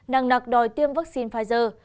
nàng nạc đòi tiêm vaccine pfizer